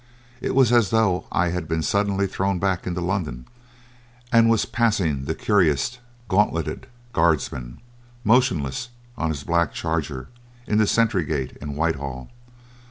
It was as though I had been suddenly thrown back into London and was passing the cuirassed, gauntleted guardsman, motionless on his black charger in the sentry gate in Whitehall.